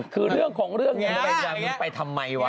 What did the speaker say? คือเรื่องของเรื่องนี้มันไปทำไมวะ